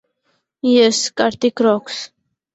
Yes, Kartik rocks!